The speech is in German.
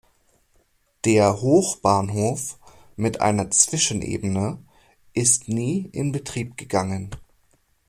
Der Hochbahnhof mit einer Zwischenebene ist nie in Betrieb gegangen.